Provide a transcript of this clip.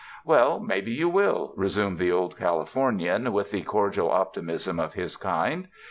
"Well maybe you will," resumed the Old Cali fornian with the cordial optimism of his kind.